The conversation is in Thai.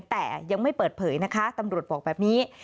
แต่ยังไม่เปิดเผยนะคะตำรวจบอกแบบนี้